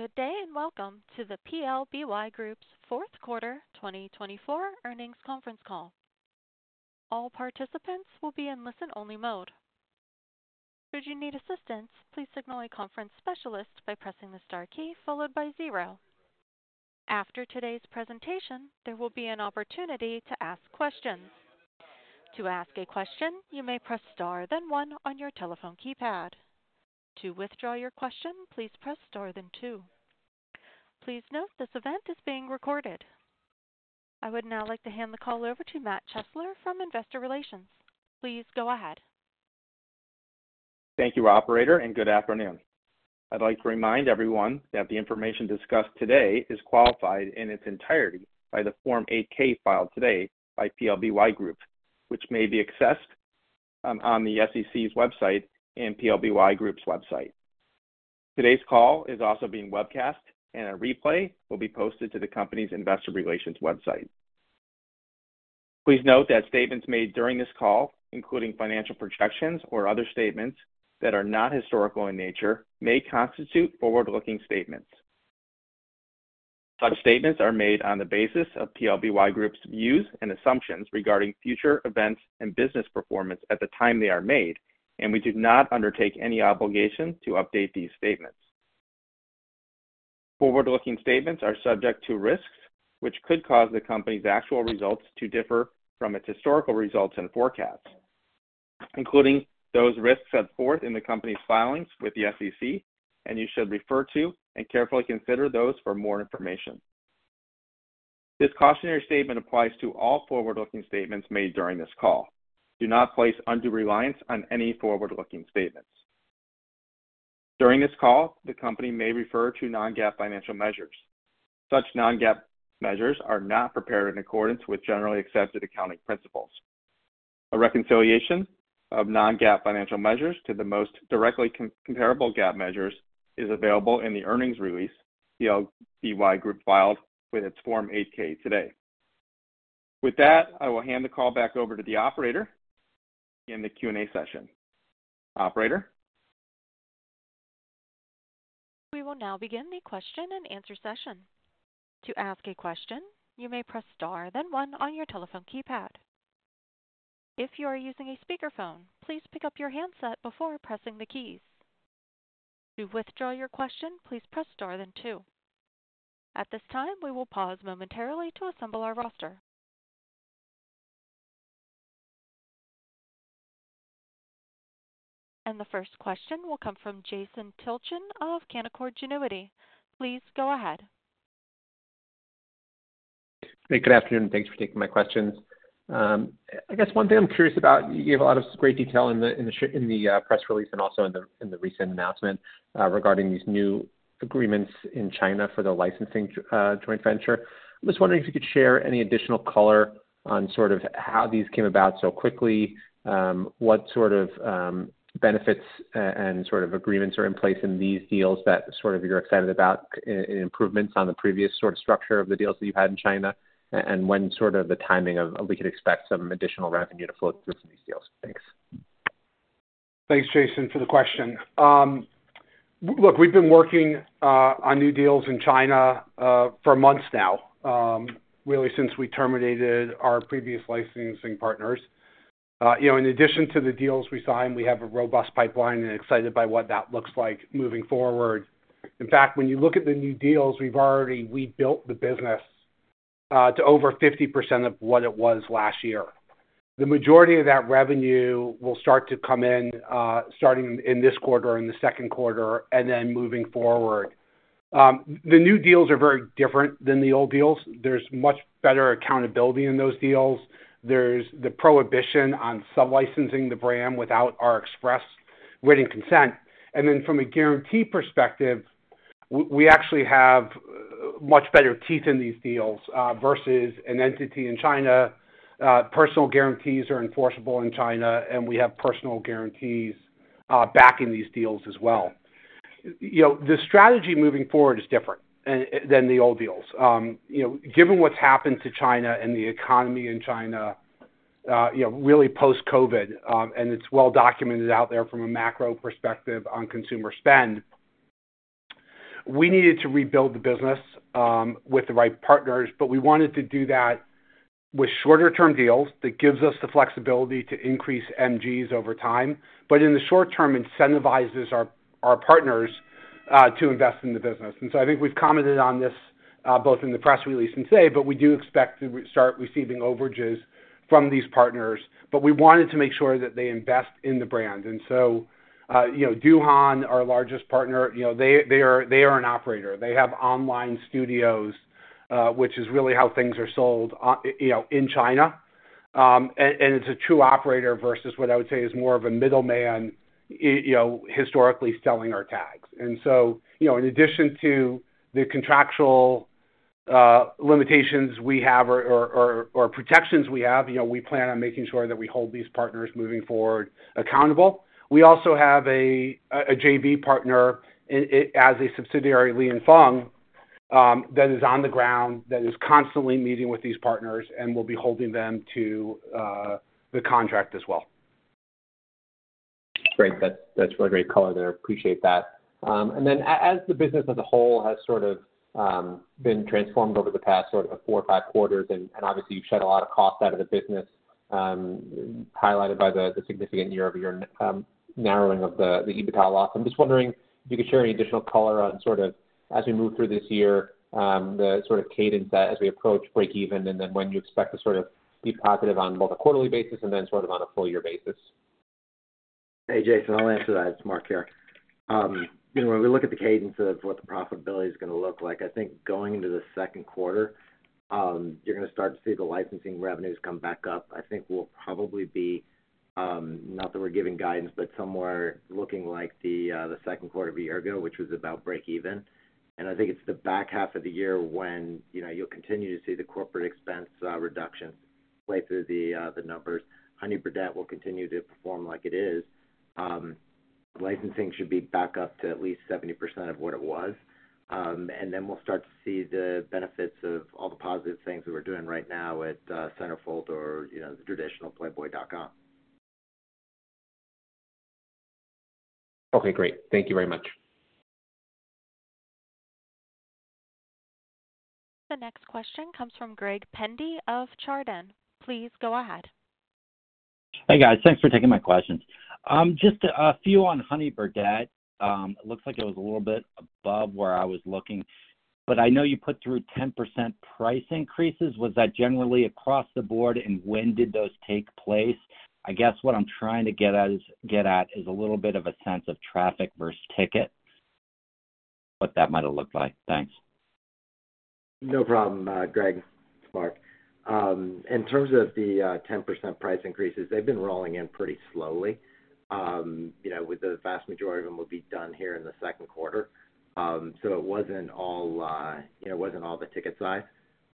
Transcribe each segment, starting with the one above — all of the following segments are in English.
Good day, and welcome to the PLBY Group's Fourth Quarter 2024 Earnings Conference Call. All participants will be in listen-only mode. Should you need assistance, please signal a conference specialist by pressing the star key followed by zero. After today's presentation, there will be an opportunity to ask questions. To ask a question, you may press Star then one on your telephone keypad. To withdraw your question, please press Star then two. Please note this event is being recorded. I would now like to hand the call over to Matt Chesler from Investor Relations. Please go ahead. Thank you, operator, and good afternoon. I'd like to remind everyone that the information discussed today is qualified in its entirety by the Form 8-K filed today by PLBY Group, which may be accessed on the SEC's website and PLBY Group's website. Today's call is also being webcast, and a replay will be posted to the company's investor relations website. Please note that statements made during this call, including financial projections or other statements that are not historical in nature, may constitute forward-looking statements. Such statements are made on the basis of PLBY Group's views and assumptions regarding future events and business performance at the time they are made, and we do not undertake any obligation to update these statements. Forward-looking statements are subject to risks, which could cause the company's actual results to differ from its historical results and forecasts, including those risks set forth in the company's filings with the SEC, and you should refer to and carefully consider those for more information. This cautionary statement applies to all forward-looking statements made during this call. Do not place undue reliance on any forward-looking statements. During this call, the company may refer to non-GAAP financial measures. Such non-GAAP measures are not prepared in accordance with generally accepted accounting principles. A reconciliation of non-GAAP financial measures to the most directly comparable GAAP measures is available in the earnings release PLBY Group filed with its Form 8-K today. With that, I will hand the call back over to the operator in the Q&A session. Operator? We will now begin the Q&A session. To ask a question, you may press Star then one on your telephone keypad. If you are using a speakerphone, please pick up your handset before pressing the keys. To withdraw your question, please press Star then two. At this time, we will pause momentarily to assemble our roster. The first question will come from Jason Tilchen of Canaccord Genuity. Please go ahead. Hey, good afternoon, and thanks for taking my questions. I guess one thing I'm curious about, you gave a lot of great detail in the press release and also in the recent announcement regarding these new agreements in China for the licensing joint venture. I'm just wondering if you could share any additional color on sort of how these came about so quickly, what sort of benefits and sort of agreements are in place in these deals that sort of you're excited about in improvements on the previous sort of structure of the deals that you had in China, and when sort of the timing of we could expect some additional revenue to flow through from these deals? Thanks. Thanks, Jason, for the question. We've been working on new deals in China for months now, really since we terminated our previous licensing partners. You know, in addition to the deals we signed, we have a robust pipeline and excited by what that looks like moving forward. In fact, when you look at the new deals, we've already rebuilt the business to over 50% of what it was last year. The majority of that revenue will start to come in starting in this quarter, in the second quarter, and then moving forward. The new deals are very different than the old deals. There's much better accountability in those deals. There's the prohibition on sublicensing the brand without our express written consent. And then from a guarantee perspective, we actually have much better teeth in these deals, versus an entity in China. Personal guarantees are enforceable in China, and we have personal guarantees backing these deals as well. You know, the strategy moving forward is different than the old deals. You know, given what's happened to China and the economy in China, really post-COVID, and it's well documented out there from a macro perspective on consumer spend, we needed to rebuild the business with the right partners, but we wanted to do that with shorter-term deals that gives us the flexibility to increase MGs over time, but in the short term, incentivizes our partners to invest in the business. I think we've commented on this both in the press release and today, but we do expect to restart receiving overages from these partners, but we wanted to make sure that they invest in the brand. So, you know, Duhan, our largest partner, you know, they are an operator. They have online studios, which is really how things are sold, you know, in China. And it's a true operator versus what I would say is more of a middleman, you know, historically selling our tags. So, you know, in addition to the contractual limitations we have or protections we have, you know, we plan on making sure that we hold these partners moving forward accountable. We also have a JV partner as a subsidiary, Li & Fung, that is on the ground, that is constantly meeting with these partners and will be holding them to the contract as well. Great. That's, that's really great color there. Appreciate that. And then as the business as a whole has sort of been transformed over the past, sort of, four or five quarters, and obviously, you've shed a lot of cost out of the business, highlighted by the significant year-over-year narrowing of the EBITDA loss. I'm just wondering if you could share any additional color on sort of, as we move through this year, the sort of cadence that as we approach breakeven, and then when you expect to sort of be positive on both a quarterly basis and then sort of on a full year basis. Hey, Jason, I'll answer that. It's Marc here. You know, when we look at the cadence of what the profitability is gonna look like, I think going into the second quarter, you're gonna start to see the licensing revenues come back up. I think we'll probably be, not that we're giving guidance, but somewhere looking like the second quarter of a year ago, which was about breakeven. And I think it's the back half of the year when, you know, you'll continue to see the corporate expense reduction play through the numbers. Honey Birdette will continue to perform like it is. Licensing should be back up to at least 70% of what it was. And then we'll start to see the benefits of all the positive things we're doing right now at Centerfold or, you know, the traditional playboy.com. Okay, great. Thank you very much. The next question comes from Greg Pendy of Chardan. Please go ahead. Hey, guys. Thanks for taking my questions. Just a few on Honey Birdette. It looks like it was a little bit above where I was looking, but I know you put through 10% price increases. Was that generally across the board, and when did those take place? I guess what I'm trying to get at is a little bit of a sense of traffic versus ticket, what that might have looked like. Thanks. No problem, Greg. It's Marc. In terms of the 10% price increases, they've been rolling in pretty slowly. You know, with the vast majority of them will be done here in the second quarter. So it wasn't all, you know, it wasn't all the ticket size.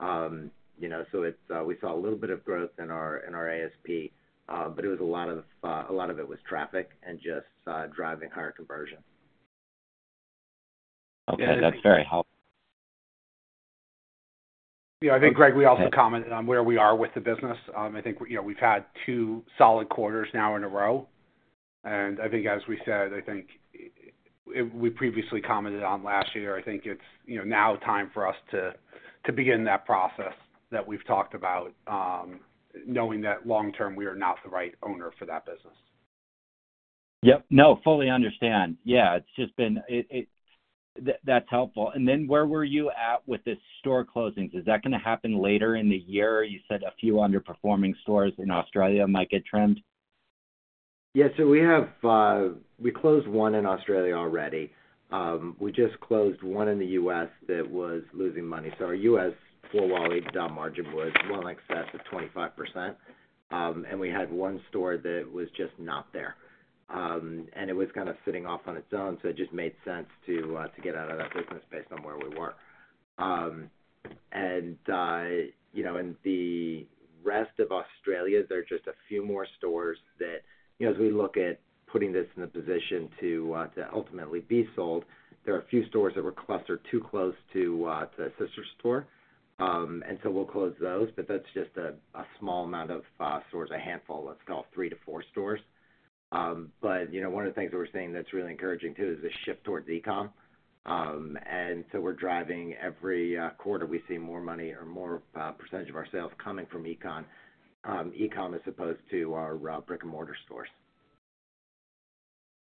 You know, so it's, we saw a little bit of growth in our, in our ASP, but it was a lot of, a lot of it was traffic and just, driving higher conversion. Okay, that's very helpful. Yeah, I think, Greg, we also commented on where we are with the business. I think, you know, we've had two solid quarters now in a row, and I think as we said, I think we previously commented on last year, I think it's, you know, now time for us to begin that process that we've talked about, knowing that long term, we are not the right owner for that business. Yep. No, fully understand. Yeah, it's just been it. That's helpful. And then where were you at with the store closings? Is that gonna happen later in the year? You said a few underperforming stores in Australia might get trimmed. Yeah, so we have, we closed one in Australia already. We just closed one in the U.S. that was losing money. So our U.S. four-wall EBITDA margin was well in excess of 25%. And we had one store that was just not there. And it was kind of sitting off on its own, so it just made sense to get out of that business based on where we were. And, you know, in the rest of Australia, there are just a few more stores that, you know, as we look at putting this in a position to ultimately be sold, there are a few stores that were clustered too close to a sister store. So we'll close those, but that's just a small amount of stores, a handful, let's call it 3-4 stores. You know, one of the things we're seeing that's really encouraging, too, is the shift towards e-com. So we're driving every quarter, we see more money or more percentage of our sales coming from e-com- e-com, as opposed to our brick-and-mortar stores.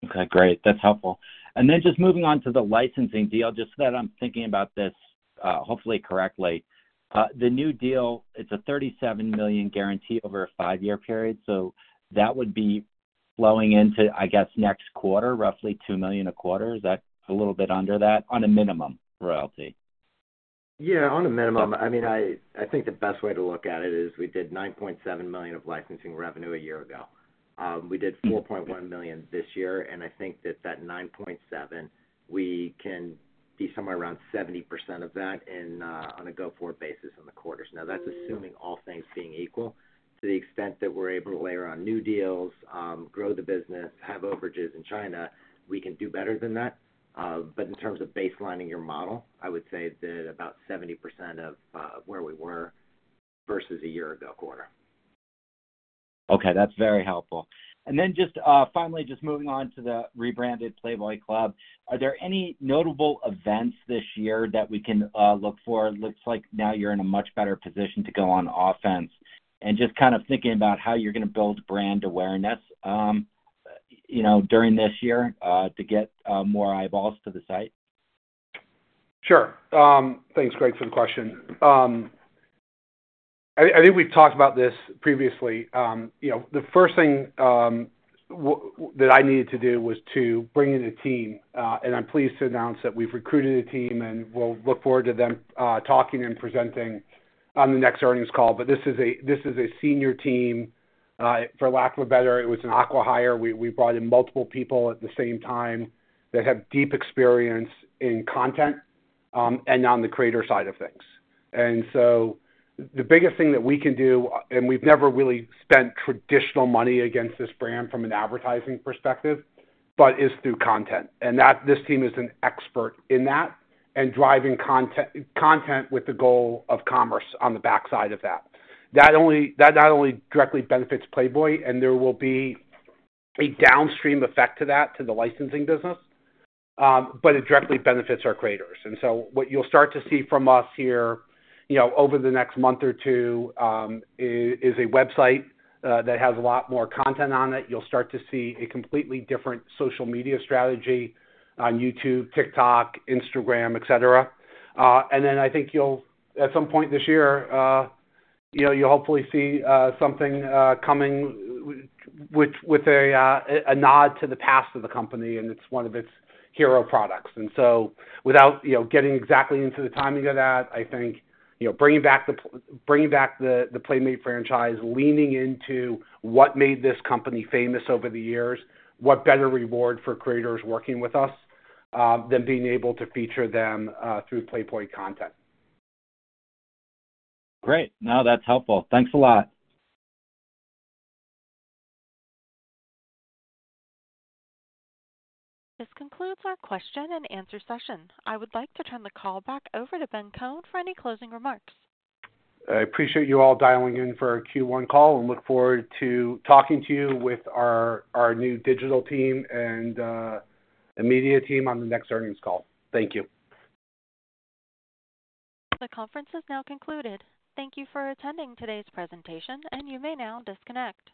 Okay, great. That's helpful. And then just moving on to the licensing deal, just so that I'm thinking about this, hopefully correctly. The new deal, it's a $37 million guarantee over a 5-year period, so that would be flowing into, I guess, next quarter, roughly $2 million a quarter. Is that a little bit under that, on a minimum royalty? Yeah, on a minimum, I mean, I think the best way to look at it is we did $9.7 million of licensing revenue a year ago. We did $4.1 million this year, and I think that that $9.7 million, we can be somewhere around 70% of that in, on a go-forward basis in the quarters. Now, that's assuming all things being equal. To the extent that we're able to layer on new deals, grow the business, have overages in China, we can do better than that. But in terms of baselining your model, I would say that about 70% of, where we were versus a year-ago quarter. Okay, that's very helpful. And then just, finally, just moving on to the rebranded Playboy Club, are there any notable events this year that we can, look for? It looks like now you're in a much better position to go on offense. And just kind of thinking about how you're gonna build brand awareness, you know, during this year, to get, more eyeballs to the site? Sure. Thanks, Greg, for the question. I think we've talked about this previously. You know, the first thing that I needed to do was to bring in a team, and I'm pleased to announce that we've recruited a team, and we'll look forward to them talking and presenting on the next earnings call. But this is a senior team, for lack of a better, it was an acqui-hire. We brought in multiple people at the same time that have deep experience in content and on the creator side of things. And so the biggest thing that we can do, and we've never really spent traditional money against this brand from an advertising perspective, but is through content. This team is an expert in that and driving content with the goal of commerce on the backside of that. That not only directly benefits Playboy, and there will be a downstream effect to that, to the licensing business, but it directly benefits our creators. And so what you'll start to see from us here, you know, over the next month or two, is a website that has a lot more content on it. You'll start to see a completely different social media strategy on YouTube, TikTok, Instagram, et cetera. And then I think you'll, at some point this year, you know, you'll hopefully see something coming with a nod to the past of the company, and it's one of its hero products. And so without, you know, getting exactly into the timing of that, I think, you know, bringing back the Playmate franchise, leaning into what made this company famous over the years, what better reward for creators working with us than being able to feature them through Playboy content? Great. Now that's helpful. Thanks a lot. This concludes our question and answer session. I would like to turn the call back over to Ben Kohn for any closing remarks. I appreciate you all dialing in for our Q1 call and look forward to talking to you with our, our new digital team and, the media team on the next Earnings Call. Thank you. The conference is now concluded. Thank you for attending today's presentation, and you may now disconnect.